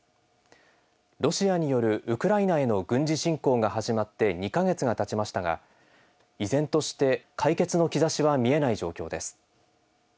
ロシアによるウクライナへの軍事侵攻が始まって２か月がたちましたが依然として解決の兆しは見えない状況です。